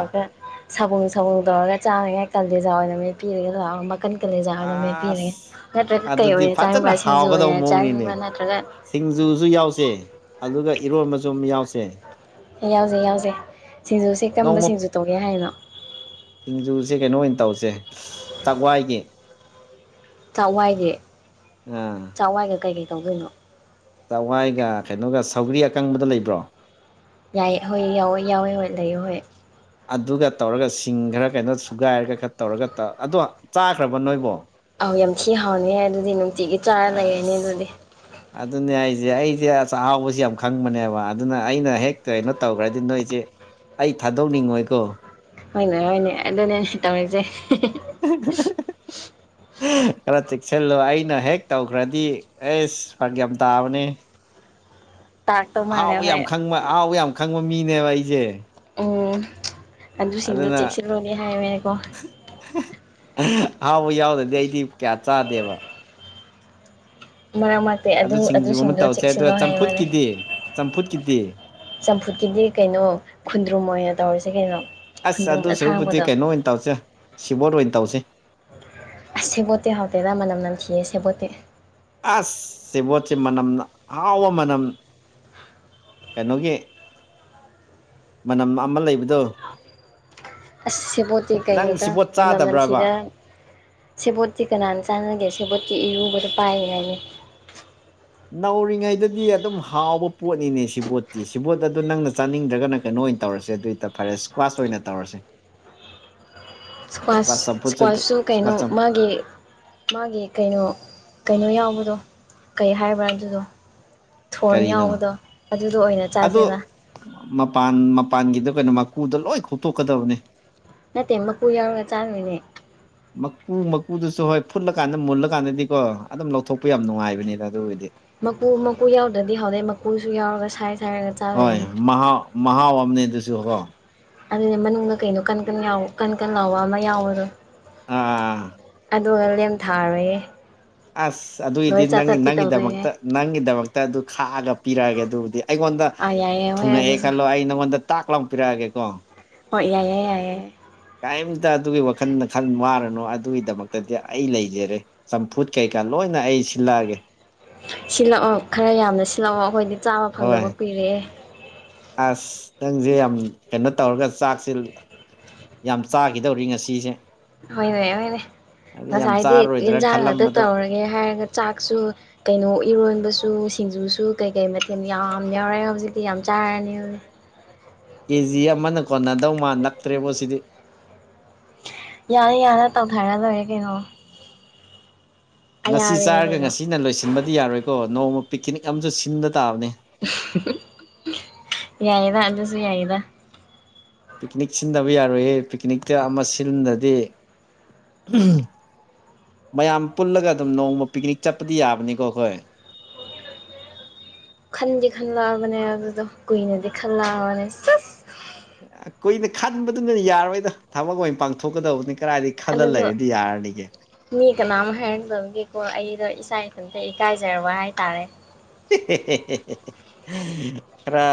ꯁꯕꯨꯝ ꯁꯕꯨꯝ ꯇꯧꯔꯒ ꯆꯥꯅꯤꯡꯉꯩ ꯀꯥꯂꯦꯖꯥ ꯑꯣꯏꯅ ꯃꯦꯠꯄꯤꯔꯒꯦ ꯂꯥꯛꯑꯦ ꯃꯀꯥꯟ ꯀꯥꯂꯦꯖꯥ ꯑꯣꯏꯅ ꯃꯦꯠꯄꯤꯔꯒꯦ
ꯑꯁ
ꯅꯠꯇ꯭ꯔꯒ ꯀꯩ
ꯑꯗꯨꯗꯤ
ꯑꯣꯏꯅ
ꯐꯖꯅ
ꯆꯥꯅꯤꯡꯕ꯭ꯔꯥ ꯁꯤꯡꯖꯨ
ꯍꯥꯎꯒꯗꯧꯕ
ꯑꫭꯏꯅ ꯆꯥꯅꯤꯡꯕ꯭ꯔꯥ
ꯃꯑꯣꯡꯅꯤꯅꯦ
ꯅꯠꯇ꯭ꯔꯒ
ꯁꯤꯡꯖꯨꯁꯨ ꯌꯥꯎꯁꯦ ꯑꯗꯨꯒ ꯏꯔꯣꯟꯕꯁꯨ ꯑꯃ ꯌꯥꯎꯁꯦ꯫
ꯌꯥꯎꯁꯦ ꯌꯥꯎꯁꯦ ꯁꯤꯡꯖꯨꯁꯦ ꯀꯔꯝꯕ
ꯅꯣꯡꯃ
ꯁꯤꯡꯖꯨ ꯇꯧꯒꯦ ꯍꯥꯏꯅꯣ
ꯁꯤꯡꯖꯨꯁꯦ ꯀꯩꯅꯣ ꯑꯣꯏꯅ ꯇꯧꯁꯦ ꯆꯥꯛꯋꯥꯏꯒꯤ
ꯆꯥꯛꯋꯥꯏꯒꯤ
ꯑꯥ
ꯆꯥꯛꯋꯥꯏꯒ ꯀꯩꯀꯩ ꯇꯧꯗꯣꯏꯅꯣ
ꯆꯥꯛꯋꯥꯏꯒ ꯀꯩꯅꯣꯒ ꯁꯧꯒ꯭ꯔꯤ ꯑꯀꯪꯕꯗꫭ ꯂꯩꯕ꯭ꯔꯣ꯫
ꯌꯥꯏꯌꯦ ꯍꯣꯏ ꯌꯥꯎꯋꯦ ꯌꯥꯎꯋꯦ ꯍꯣꯏ ꯂꯩꯌꯦ ꯍꯣꯏ
ꯑꯗꯨꯒ ꯇꯧꯔꯒ ꯁꯤꯡ ꯈꯔ ꯀꯩꯅꯣ ꯁꯨꯒꯥꯏꯔꯒ ꯈꯔ ꯇꯧꯔꯒ ꯇꯧ ꯑꯗꯣ ꯆꯥꯈ꯭ꯔꯕꫭ ꯅꯣꯏꯕꯣ
ꯑꯥꯎ ꯌꯥꯝ ꯊꯤ ꯍꯥꯎꯅꯤꯍꯦ ꯑꯗꯨꯗꯤ ꯅꯨꯡꯇꯤꯒꯤ ꯆꯥꯔ ꯂꯩꯔꯅꯤ
ꯑꯁ
ꯑꯗꯨꯗꯤ
ꯑꯗꯨꯅꯦ ꯍꯥꯏꯖꯦ ꯑꯩꯖꯦ ꯆꯥꯛꯑꯍꯥꯎꯕꯁꯦ ꯌꯥꯝ ꯈꯪꯕꯅꯦꯕ ꯑꯗꯨꯅ ꯑꯩꯅ ꯍꯦꯛ ꯀꯩꯅꯣ ꯇꯧꯈ꯭ꯔꯗꯤ ꯅꯣꯏꯖꯦ ꯑꯩ ꯊꯥꯗꯣꯛꯅꯤꯡꯉꯣꯏꯀꯣ
ꯍꯣꯏꯅꯦ ꯍꯣꯏꯅꯦ ꯑꯗꯨꯅꯦ ꯇꯧꯔꯤꯁꯦ
[unintelligible] ꯈꯔ ꯆꯦꯛꯁꯤꯜꯂꯣ ꯑꯩꯅ ꯍꯦꯛ ꯇꯧꯈ꯭ꯔꯗꯤ ꯑꯦꯁ ꯐꯔꯛ ꯌꯥꯝ ꯇꯥꯕꯅꯦ
ꯇꯥꯔꯛꯇꯧ ꯃꯥꯜꯂꯦ
ꯑꯍꯥꯎꯕ
ꯍꯣꯏ
ꯌꯥꯝ ꯈꯪꯕ ꯑꯍꯥꯎꯕ ꯌꯥꯝ ꯈꯪꯕ ꯃꯤꯅꯦꯕ ꯑꯩꯖꯦ
ꯑꯣ ꯑꯗꯨꯁꯤꯡꯗꯣ ꯆꯦꯛꯁꯤꯜꯂꯨꯅꯦ ꯍꯥꯏꯌꯦꯃꯦꯀꯣ
ꯑꯍꯥꯎꯕ ꯌꯥꯎꯗ꯭ꯔꯗꯤ ꯑꯩꯗꯤ ꯀꯌꯥ ꯆꯥꯗꯦꯕ
ꯃꯔꯛ ꯃꯔꯛꯇꯩ ꯑꯗꯨ
ꯁꯤꯡꯖꯨ ꯑꯃ
ꯑꯗꯨꯁꯤꯡꯗꯣ
ꯇꯧꯁꯦ ꯑꯗꯨꯒ
ꯆꯦꯛꯁꯤꯜꯂꯣ ꯍꯥꯏꯕꯅꯦ
ꯆꯝꯐꯨꯠꯀꯤꯗꯤ ꯆꯝꯐꯨꯠꯀꯤꯗꯤ
ꯆꯝꯐꯨꯠꯀꯤꯗꯤ ꯀꯩꯅꯣ ꯈꯨꯟꯗ꯭ꯔꯨꯝ ꯑꯣꯏꯅ ꯇꯧꯔꯤꯁꯦ ꯀꯩꯅꯣ
ꯑꯁ
ꯈꯨꯟꯗ꯭ꯔꯨꯝ
ꯑꯗꯨ ꯁꯨꯔꯨꯛꯄꯨꯗꯤ
ꯑꯁꯥꯡꯕꯗꯣ
ꯀꯩꯅꯣ ꯑꯣꯏꯟ ꯇꯧꯁꯦ ꯁꯤꯕꯣꯠ ꯑꯣꯏꯅ ꯇꯧꯁꯦ
ꯑꯁ ꯁꯦꯕꯣꯠꯇꯤ ꯍꯥꯎꯇꯦꯗ ꯃꯅꯝ ꯅꯝꯊꯤꯌꯦ ꯁꯦꯕꯣꯠꯇꯤ
ꯑꯁ ꯁꯦꯕꯣꯠꯁꯦ ꯃꯅꯝꯅ ꯍꯥꯎꯕ ꯃꯅꯝ ꯀꯩꯅꯣꯒꯤ ꯃꯅꯝ ꯑꯃ ꯂꯩꯕꯗꯣ
ꯑꯁ ꯁꯦꯕꯣꯠꯇꯤ
ꯅꯪ
ꯀꯩꯅꯣꯗ
ꯁꯤꯕꯣꯠ
ꯃꯅꯝ ꯅꯟꯊꯤꯗ
ꯆꯥꯗꯕ꯭ꯔꯕ
ꯁꯦꯕꯣꯠꯇꯤ ꯀꯅꯥꯟ ꯆꯥꯟꯅꯒꯦ ꯁꯦꯕꯣꯠꯇꯤ ꯏꯔꯨꯕꯗ ꯄꯥꯏꯅꯤꯉꯥꯏꯅꯤ
ꯅꯧꯔꯤꯉꯩꯗꯗꯤ ꯑꯗꯨꯝ ꯍꯥꯎꯕ ꯄꯣꯠꯅꯤꯅꯦ ꯁꯤꯕꯣꯠꯇꯤ ꯁꯤꯕꯣꯠ ꯑꯗꯨ ꯅꯪꯅ ꯆꯥꯅꯤꯡꯗ꯭ꯔꯒ ꯅꯪ ꯀꯩꯅꯣ ꯑꯣꯏꯟ ꯇꯧꯔꯁꯦ ꯑꯗꯨꯏꯇꯥ ꯐꯔꯦꯁ ꯏꯁꯀ꯭ꯋꯥꯥꯁ ꯑꯣꯏꯅ ꯇꯧꯔꯁꯦ
ꯏꯁꯀ꯭ꯋꯥꯁ
ꯆꯝꯐꯨꯠꯁꯨ
ꯏꯁꯀ꯭ꯋꯥꯁꯁꯨ ꯀꯩꯅꯣ
ꯏꯁꯀ꯭ꯋꯥꯁ ꯆꯝ
ꯃꯥꯒꯤ ꯃꯥꯒꯤ ꯀꯩꯅꯣ ꯀꯩꯅꯣ ꯌꯥꯎꯕꯗꯣ ꯀꯩ ꯍꯥꯏꯕ꯭ꯔꯥ ꯑꯗꯨꯗꯣ ꯊꯣꯔꯟ
ꯀꯔꯤꯅꯣ
ꯌꯥꯎꯕꯗꯣ ꯑꯗꯨꯗꯣ ꯑꯣꯏꯅ
ꯑꯗꯣ
ꯆꯥꯥꯁꯦꯕ
ꯃꯄꯥꯟ ꯃꯄꯥꯟꯒꯤꯗ ꯀꯩꯅꯣ ꯃꯀꯨꯗꯣ ꯂꯣꯏ ꯈꯣꯛꯇꯣꯛꯀꯗꯕꯅꯦ
ꯅꯠꯇꯦ ꯃꯀꯨ ꯌꯥꯎꯔꯒ ꯆꯥꯗꯣꯏꯅꯦ
ꯃꯀꯨ ꯃꯀꯨꯗꯨꯁꯨ ꯍꯣꯏ ꯐꯨꯠꯂꯀꯥꯟꯗ ꯃꯨꯜꯂꯀꯥꯟꯗꯗꯤꯀꯣ ꯑꯗꯨꯝ ꯂꯧꯊꯣꯛꯄ ꯌꯥꯝ ꯅꯨꯡꯉꯥꯏꯕꯅꯤꯗ ꯑꯗꯨꯒꯤꯗꯤ
ꯃꯀꯨ ꯃꯀꯨ ꯌꯥꯎꯗ꯭ꯔꯗꯤ ꯍꯥꯎꯗꯩ ꯃꯀꯨꯁꯨ ꯌꯥꯎꯔꯒ ꯁꯥꯏ ꯁꯥꯏꯔꯒ
ꯍꯣꯏ
ꯆꯥꯗꯣꯏꯅꯤ
ꯃꯍꯥꯎ ꯃꯍꯥꯎ ꯑꯝꯅꯦ ꯑꯗꯨꯁꯨ ꯒꯣ
ꯑꯗꯨꯅꯦ ꯃꯅꯨꯡꯗ ꯀꯩꯅꯣ ꯀꯟ ꯀꯟ ꯌꯥꯏ ꯀꯟ ꯀꯟ ꯂꯥꯎꯕ ꯑꯃ ꯌꯥꯎꯕꯗꯣ
ꯑꯥ
ꯑꯗꯨꯒ ꯂꯦꯝ ꯊꯥꯔꯣꯏꯌꯦ
ꯑꯁ ꯑꯗꯨꯏꯗꯤ
ꯂꯣꯏ ꯆꯥ
ꯅꯪꯒꯤ
ꯆꯠꯄꯤ
ꯅꯪꯒꯤꯗꯃꯛꯇ
ꯇꯧꯗꯣꯏꯅꯦ
ꯅꯪꯒꯤꯗꯃꯛꯇ ꯑꯗꯨ ꯈꯥꯛꯑꯒ ꯄꯤꯔꯛꯑꯒꯦ ꯑꯗꯨꯕꯨꯗꯤ ꯑꯩꯉꯣꯟꯗ
ꯑꯥ ꯌꯥꯏꯌꯦ ꯍꯣꯏ
ꯊꯨꯡꯉꯛꯑꯦ
ꯑꯗꯨꯁꯨ
ꯈꯜꯂꯣ ꯑꯩ ꯅꯪꯉꯣꯟꯗ ꯇꯥꯛ ꯂꯥꯎ ꯄꯤꯔꯛꯑꯒꯦ ꯀꯣ
ꯍꯣꯏ ꯌꯥꯏꯌꯦ ꯌꯥꯏꯌꯦ
ꯀꯌꯤꯝꯇ ꯑꯗꯨꯒꯤ ꯋꯥꯈꯟꯗ ꯈꯟ ꯋꯥꯔꯅꯨ ꯑꯗꯨꯒꯤꯗꯃꯛꯇꯗꯤ ꯑꯩ ꯂꯩꯖꯔꯦ ꯆꯝꯐꯨꯠ ꯀꯩꯀꯥ ꯂꯣꯏꯅ ꯑꯩ ꯁꯤꯜꯂꯛꯑꯒꯦ
ꯁꯤꯜꯂꯛꯑꯣ ꯈꯔ ꯌꯥꯝꯅ ꯁꯤꯜꯂꯛꯑꯣ ꯑꯈꯣꯏꯗꯤ ꯆꯥꯕ
ꯍꯣꯏ
ꯐꯪꯗꯕ ꯀꯨꯏꯔꯛꯑꯦ
ꯑꯁ ꯅꯪꯖꯦ ꯌꯥꯝ ꯀꯩꯅꯣ ꯇꯧꯔꯒ ꯆꯥꯛꯁꯤꯜ ꯌꯥꯝ ꯆꯥꯈꯤꯗꯧꯔꯤ ꯉꯁꯤꯁꯦ
ꯍꯣꯏꯅꯦ ꯍꯣꯏꯅꯦ
ꯑꯗꯨ ꯌꯥꯝ
ꯉꯁꯥꯏꯗꯤ
ꯆꯥꯔꯔꯣꯏꯗ꯭ꯔꯅ
ꯏꯟꯖꯥꯡ ꯉꯥꯛꯇ
ꯈꯜꯂꯝꯕꯗꯣ
ꯇꯧꯔꯒꯦ ꯍꯥꯏꯔꯒ ꯆꯥꯛꯁꯨ ꯀꯩꯅꯣ ꯏꯔꯣꯟꯕꯁꯨ ꯁꯤꯡꯖꯨꯁꯨ ꯀꯩꯀꯩ ꯃꯊꯦꯟ ꯌꯥꯝ ꯌꯥꯎꯔꯛꯑꯦ ꯍꯧꯖꯤꯛꯇꯤ ꯌꯥꯝ ꯆꯥꯔꯅꯤ ꯍꯧ
ꯀꯦꯖꯤ ꯑꯃꯅ ꯀꯣꯟꯅꯗꯧ ꯃꯥꯟꯂꯛꯇ꯭ꯔꯦꯕꯣ ꯁꯤꯗꯤ
ꯌꯥꯅ ꯌꯥꯅ ꯇꯧꯊꯔ ꯂꯣꯏꯔꯦ ꯀꯩꯅꯣ
ꯉꯁꯤ
ꯑꯌꯥꯕꯅꯦ
ꯆꯥꯔꯒ
ꯀꯩꯅꯣ
ꯉꯁꯤꯅ ꯂꯣꯏꯁꯤꯟꯕꯗꯤ ꯌꯥꯔꯣꯏꯀꯣ ꯅꯣꯡꯃ ꯄꯤꯀꯤꯅꯤꯛ ꯑꯝꯖꯨ ꯁꯤꯟꯕ ꯇꯥꯕꯅꯤ
ꯌꯥꯏꯌꯦꯗ ꯑꯗꯨꯁꯨ ꯌꯥꯏꯌꯦꯗ
ꯄꯤꯀꯤꯅꯤꯛ ꯁꯤꯟꯗꯕ ꯌꯥꯔꯣꯏꯌꯦ ꯄꯤꯀꯤꯅꯤꯛꯇ ꯑꯃ ꯁꯤꯟꯗꯗꯤ ꯎꯝ ꯃꯌꯥꯝ ꯄꯨꯜꯂꯒ ꯑꯗꯨꯝ ꯅꯣꯡꯃ ꯄꯤꯀꯤꯅꯤꯛ ꯆꯠꯄꯗꯤ ꯌꯥꯕꯅꯤꯀꯣ ꯑꯈꯣꯏ
ꯈꯟꯗꯤ ꯈꯜꯂꯛꯑꯕꯅꯦ ꯑꯗꯨꯗꯣ ꯀꯨꯏꯅꯗꯤ ꯈꯜꯂꯛꯑꯕꯅꯦ
ꯀꯨꯏꯅ ꯈꯟꯕꯗꯨꯅ ꯌꯥꯔꯣꯏꯗ ꯊꯕꯛ ꯑꯣꯏꯅ ꯄꯥꯡꯊꯣꯛꯀꯗꯕꯅꯤ ꯀꯔꯥꯏ [unintelligible] ꯈꯜꯂ
ꯑꯗꯨꯗꯣ
ꯂꯩꯔꯗꯤ ꯌꯥꯔꯅꯤꯒꯦ
ꯃꯤ ꯀꯅꯥꯝ ꯍꯥꯏꯔꯝꯗꯕꯒꯦꯀꯣ ꯑꯩꯗꯣ ꯏꯥ ꯏꯊꯝꯇ ꯏꯀꯥꯏꯖꯔꯕ ꯍꯥꯏꯇꯥꯔꯦ
[unintelligible] ꯈꯔꯥ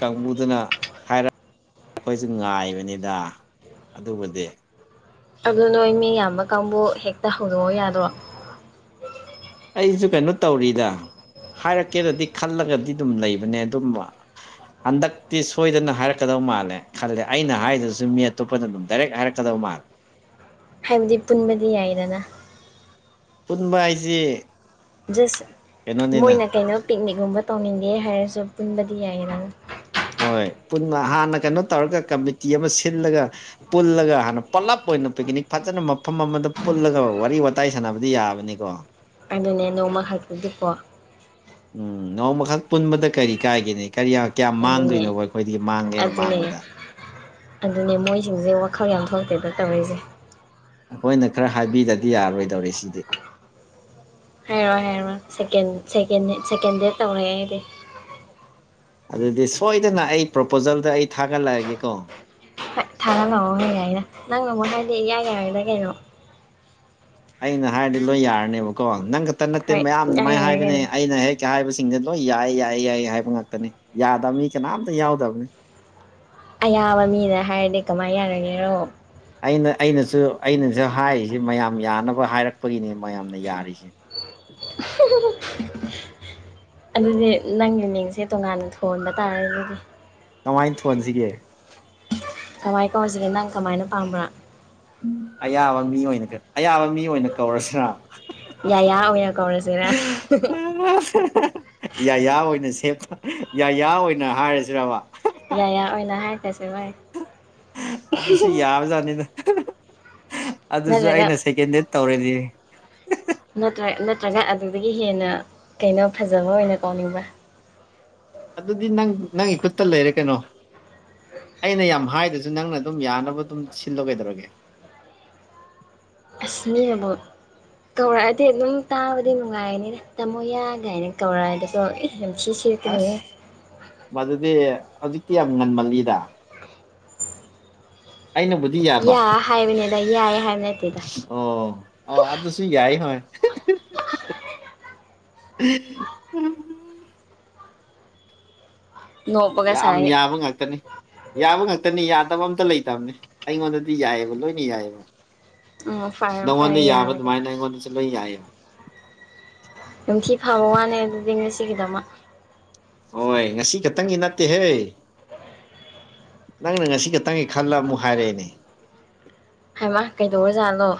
ꯀꯥꯡꯕꯨꯗꯨꯅ ꯍꯥꯏꯔꯛ ꯑꯩꯈꯣꯏꯁꯨ ꯉꯥꯏꯕꯅꯤꯗ ꯑꯗꯨꯕꯨꯗꯤ
ꯑꯗꯨ ꯅꯣꯏ ꯃꯤ ꯌꯥꯝꯕ ꯀꯥꯡꯕꯨ ꯍꯦꯛꯇ ꯍꯧꯗꯣꯛꯑꯣ ꯌꯥꯗ꯭ꯔꯣ
ꯑꯩꯁꯨ ꯀꯩꯅꯣ ꯇꯧꯔꯤꯗ ꯍꯥꯏꯔꯛꯀꯦꯅꯗꯤ ꯈꯜꯂꯒꯗꯤ ꯑꯗꯨꯝ ꯂꯩꯕꯅꯦ ꯑꯗꯨꯝꯕ ꯍꯟꯗꯛꯇꯤ ꯁꯣꯏꯗꯅ ꯍꯥꯏꯔꯛꯀꯗꯕ ꯃꯥꯜꯂꯦ ꯈꯜꯂꯦ ꯑꯩꯅ ꯍꯥꯏꯗꯨꯁꯨ ꯃꯤ ꯑꯇꯣꯞꯄꯅ ꯑꯗꯨꯝ ꯗꯥꯏꯔꯦꯛ ꯍꯥꯏꯔꯛꯀꯗꯕ ꯃꯥꯜ
ꯍꯥꯏꯕꯗꯤ ꯄꯨꯟꯕꯗꯤ ꯌꯥꯏꯗꯅ
ꯄꯨꯟꯕ ꯍꯥꯏꯁꯤ
ꯖꯁ
ꯀꯩꯅꯣꯅꯤꯅ
ꯃꯣꯏꯅ ꯀꯩꯅꯣ ꯄꯤꯛꯅꯤꯛꯒꯨꯝꯕ ꯇꯧꯅꯤꯡꯒꯦ ꯍꯥꯏꯔꯁꯨ ꯄꯨꯟꯕꯗꯤ ꯌꯥꯏꯔ
ꯍꯣꯏ ꯄꯨꯟꯅ ꯍꯥꯟꯅ ꯀꯩꯅꯣ ꯇꯧꯔꯒ ꯀꯃꯤꯇꯤ ꯑꯃ ꯁꯤꯜꯂꯒ ꯄꯨꯜꯂꯒ ꯍꯥꯟꯅ ꯄꯂꯞ ꯑꯣꯏꯅ ꯄꯤꯛꯅꯤꯛ ꯐꯖꯅ ꯃꯐꯝ ꯑꯃꯗ ꯄꯨꯜꯂꯒ ꯋꯥꯔꯤ ꯋꯥꯇꯥꯏ ꯁꯥꯟꯅꯕꯗꯤ ꯌꯥꯕꯅꯤꯀꯣ
ꯑꯗꯨꯅꯦ ꯅꯣꯡꯃ ꯍꯥꯛꯄꯗꯨꯀꯣ
ꯎꯝ ꯅꯣꯡꯃ ꯈꯛ ꯄꯨꯟꯕꯗ ꯀꯔꯤ ꯀꯥꯏꯒꯤꯅꯦ ꯀꯔꯤꯌ ꯀꯌꯥꯝ
ꯑꯗꯨꯅꯦ
ꯃꯥꯡꯗꯣꯏꯅꯣꯕ ꯑꯩꯈꯣꯏꯗꯒꯤ ꯃꯥꯡꯒꯦꯅ
ꯑꯗꯨꯅꯦ
ꯃꯥꯡꯕꯗ
ꯑꯗꯨꯅꯦ ꯃꯣꯏꯁꯤꯡꯁꯦ ꯋꯥꯈꯜ ꯌꯥꯝ ꯊꯣꯛꯇꯦꯗ ꯇꯧꯔꯤꯁꯦ
ꯑꯩꯈꯣꯏꯅ ꯈꯔ ꯍꯥꯏꯕꯤꯗꯗꯤ ꯌꯥꯔꯔꯣꯏꯗꯧꯔꯦ ꯁꯤꯗꯤ
ꯍꯥꯏꯔꯣꯏ ꯍꯥꯏꯔꯣꯏ ꯁꯦꯀꯦꯟ ꯁꯦꯀꯦꯟ ꯁꯦꯀꯦꯟ ꯗꯦꯗ ꯇꯧꯔꯦ ꯑꯩꯗꯤ
ꯑꯗꯨꯗꯤ ꯁꯣꯏꯗꯅ ꯑꯩ ꯄ꯭ꯔꯣꯄꯣꯖꯜꯗ ꯑꯩ ꯊꯥꯒꯠꯂꯛꯑꯒꯦꯀꯣ
ꯐꯥꯠ ꯊꯥꯂꯛꯑꯣ ꯍꯩ ꯌꯥꯏꯅ ꯅꯪꯅꯕꯨ ꯍꯥꯏꯗꯤ ꯏꯌꯥ ꯌꯥꯔꯦꯗ ꯀꯩꯅꯣ
ꯑꯩꯅ ꯍꯥꯏꯔꯗꯤ ꯂꯣꯏ ꯌꯥꯔꯅꯦꯕꯀꯣ ꯅꯪ ꯈꯛꯇ ꯅꯠꯇꯦ
ꯍꯣꯏ
ꯃꯌꯥꯝ
ꯏꯌꯥ
ꯑꯗꯨꯃꯥꯏꯅ
ꯌꯥꯔꯦ
ꯍꯥꯏꯕꯅꯦ
ꯀꯩꯅꯣ
ꯑꯩꯅ ꯍꯦꯛ ꯀꯍꯥꯏꯕꯁꯤꯡꯁ ꯂꯣꯏ ꯌꯥꯏ ꯌꯥꯏ ꯌꯥꯏ ꯍꯥꯏꯕ ꯉꯥꯛꯇꯅꯤ ꯌꯥꯗꯕ ꯃꯤ ꯀꯅꯥꯝꯇ ꯌꯥꯎꯗꯝꯅꯤ
ꯑꯌꯥꯕ ꯃꯤꯅ ꯍꯥꯏꯔꯗꯤ ꯀꯃꯥꯏꯅ ꯌꯥꯔꯒꯦꯔꯣ
ꯑꯩꯅ ꯑꯩꯅꯁꯨ ꯑꯩꯅꯁꯨ ꯍꯥꯏꯔꯤꯁꯤ ꯃꯌꯥꯝ ꯌꯥꯅꯕ ꯍꯥꯏꯔꯛꯄꯒꯤꯅꯤ ꯃꯌꯥꯝꯅ ꯌꯥꯔꯤꯁꯤ
[unintelligible] ꯑꯗꯨꯗꯤ ꯅꯪꯒꯤ ꯃꯤꯡꯁꯦ ꯇꯣꯉꯥꯟꯅ ꯊꯣꯟꯕ ꯇꯥꯔꯦ ꯑꯗꯨꯗꯤ
ꯀꯃꯥꯏꯅ ꯊꯣꯟꯁꯤꯒꯦ
ꯀꯃꯥꯏ ꯀꯧꯁꯤꯒꯦ ꯅꯪ ꯀꯃꯥꯏꯅ ꯄꯥꯝꯕ꯭ꯔꯥ
ꯑꯌꯥꯕ ꯃꯤ ꯑꯣꯏꯅ ꯑꯌꯥꯕ ꯃꯤ ꯑꯣꯏꯅ ꯀꯧꯔꯁꯤꯔꯥ
ꯌꯥꯌꯥ ꯑꯣꯏꯅ ꯀꯧꯔꯁꯤꯔ
[unintelligible] ꯌꯥꯌꯥ ꯑꯣꯏꯅ ꯁꯦꯕꯥ ꯌꯥꯌꯥ ꯑꯣꯏꯅ ꯍꯥꯏꯔꯁꯤꯕꯥ
ꯌꯥꯌꯥ ꯑꯣꯏꯅ ꯍꯥꯏꯒ꯭ꯔꯁꯦ ꯑꯣꯏ
ꯑꯗꯨꯁꯨ ꯌꯥꯕꯖꯥꯠꯅꯤꯗ ꯑꯗꯨꯁꯨ
ꯅꯠꯇ꯭ꯔꯒ
ꯑꯩꯅ ꯁꯦꯀꯦꯟ ꯗꯦꯗ ꯇꯧꯔꯗꯤ
ꯅꯠꯇ꯭ꯔ ꯅꯠꯇ꯭ꯔꯒ ꯑꯗꯨꯗꯒꯤ ꯍꯦꯟꯅ ꯀꯩꯅꯣ ꯐꯖꯕ ꯑꯣꯏꯅ ꯀꯧꯅꯤꯡꯕ
ꯑꯗꯨꯗꯤ ꯅꯪ ꯅꯪꯒꯤ ꯈꯨꯠꯇ ꯂꯩꯔꯦ ꯀꯩꯅꯣ ꯑꯩꯅ ꯌꯥꯝ ꯍꯥꯏꯗꯁꯨ ꯅꯪꯅ ꯑꯗꯨꯝ ꯌꯥꯅꯕ ꯑꯗꯨꯝ ꯁꯤꯜꯂꯣ ꯀꯩꯗꯧꯔꯒꯦ
ꯑꯁꯅꯤꯅꯥꯕꯣ ꯀꯧꯔꯛꯑꯗꯤ ꯑꯗꯨꯝ ꯇꯥꯕꯗꯤ ꯅꯨꯡꯉꯥꯏꯅꯤꯅ ꯇꯥꯃꯣ ꯌꯥ ꯀꯥꯏꯅ ꯀꯧꯔꯛꯑꯗꯁꯨ [unintelligible]
ꯑꯁ ꯃꯗꯨꯗꯤ ꯍꯧꯖꯤꯛꯇꯤ ꯌꯥꯝ ꯉꯟꯃꯜꯂꯤꯗ
[inaudible]
ꯑꯩꯅꯕꯨ
ꯌꯥ ꯍꯥꯏꯕꯅꯤꯗ ꯌꯥꯏꯌꯦ ꯍꯥꯏꯕ ꯅꯠꯇꯦꯗ
ꯑꯣ ꯑꯣ ꯑꯗꯨꯁꯨ ꯌꯥꯏ ꯍꯣꯏ [inaudible]
ꯅꯣꯛꯄꯒ
ꯌꯥꯝ
ꯁꯥꯏ
ꯌꯥꯕ ꯉꯥꯛꯇꯅꯤ ꯌꯥꯕ ꯉꯥꯛꯇꯅꯤ ꯌꯥꯗꯕ ꯑꯝꯇ ꯂꯩꯇꯕꯅꯦ ꯑꯩꯉꯣꯟꯗꯗꯤ ꯌꯥꯏꯌꯦꯕ ꯂꯣꯏꯅ ꯌꯥꯏꯌꯦꯕ
ꯎꯝ ꯐꯔꯦ
ꯅꯪꯉꯣꯟꯗ
ꯐꯔꯦ
ꯌꯥꯕ
ꯌꯥꯔꯒꯗꯤ
ꯑꯗꯨꯃꯥꯏꯅ ꯑꯩꯉꯣꯟꯗꯁꯨ ꯂꯣꯏ ꯌꯥꯏꯌꯦ
ꯅꯨꯡꯊꯤ ꯐꯥꯕ ꯋꯥꯅꯦ ꯑꯗꯨꯗꯤ ꯉꯁꯤꯒꯤꯗꯃꯛ
ꯍꯣꯏ ꯉꯁꯤ ꯈꯛꯇꯪꯒꯤ ꯅꯠꯇꯦꯍꯦ ꯅꯪꯅ ꯉꯁꯤ ꯈꯛꯇꯪꯒꯤ ꯈꯜꯂ ꯃꯨꯛ ꯍꯥꯏꯔꯛꯑꯦꯅꯦ
ꯍꯥꯏꯃ ꯀꯩꯗꯧꯔꯖꯂꯣ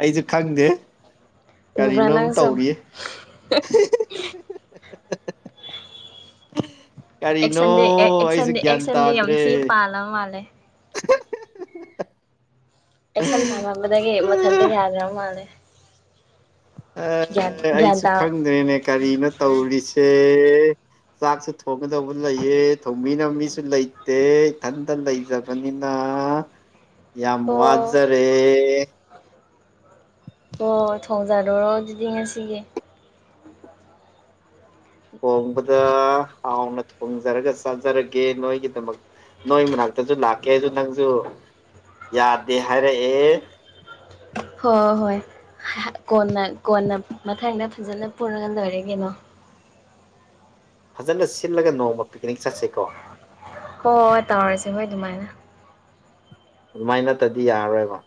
ꯑꯩꯁꯨ ꯈꯪꯗꯦ
ꯎꯕ꯭ꯔꯥ
ꯀꯔꯤꯅꯣꯝ
ꯅꯪꯁꯨ
ꯇꯧꯔꯤꯌꯦ ꯀꯔꯤꯅꯣ
ꯑꯦꯛꯁꯟꯗꯤ
ꯑꯩꯖꯨ ꯒ꯭ꯌꯥꯟ ꯇꯥꯗ꯭ꯔꯦ
ꯍꯜꯂ ꯃꯥꯜꯂꯦ ꯑꯦꯛꯁꯟ ꯄꯥꯝꯃꯝꯕꯗꯒꯤ ꯃꯊꯟꯇ ꯌꯥꯗ꯭ꯔꯕ ꯃꯥꯜꯂꯦ ꯒ꯭ꯌꯥꯟ
ꯑꯦ
ꯒ꯭ꯌꯥꯟ
ꯑꯩꯁꯨ
ꯇꯥ
ꯈꯪꯗ꯭ꯔꯦꯅꯦ ꯀꯔꯤꯅꯣ ꯇꯧꯔꯤꯁꯦ ꯆꯥꯛꯁꯨ ꯊꯣꯡꯒꯗꯧꯕ ꯂꯩꯌꯦ ꯊꯣꯡ ꯃꯤꯅ ꯃꯤꯁꯨ ꯂꯩꯇꯦ ꯏꯊꯟꯇ ꯂꯩꯖꯕꯅꯤꯅ ꯌꯥꯝ
ꯍꯣ
ꯋꯥꯖꯔꯦ
ꯑꯣ ꯊꯣꯡꯖꯥꯔꯨꯔꯣ ꯑꯗꯨꯗꯤ ꯉꯁꯤꯒꯤ
ꯍꯣꯡꯕꯗ ꯍꯥꯎꯅ ꯊꯣꯡꯖꯔꯒ ꯆꯥꯖꯔꯒꯦ ꯅꯣꯏꯒꯤꯗꯃꯛ ꯅꯣꯏ ꯃꯅꯥꯛꯇꯖꯨ ꯂꯥꯛꯀꯦꯖꯨ ꯅꯪꯖꯨ ꯌꯥꯗꯦ ꯍꯥꯏꯔꯛꯑꯦ
ꯍꯣ ꯍꯣꯏ ꯀꯣꯟꯅ ꯀꯣꯟꯅ ꯃꯊꯪꯗ ꯐꯖꯅ ꯄꯨꯜꯂ ꯂꯣꯏꯔꯦ ꯀꯩꯅꯣ
ꯐꯖꯅ ꯁꯤꯜꯂꯒ ꯅꯣꯡꯃ ꯄꯤꯛꯅꯤꯛ ꯆꯠꯁꯤꯀꯣ
ꯍꯣꯏ ꯇꯧꯔꯁꯦ ꯍꯣꯏ ꯗꯨꯃꯥꯏꯅ
ꯑꯗꯨꯃꯥꯏꯅ ꯅꯠꯇꯗꯤ ꯌꯥꯔꯣꯏꯕ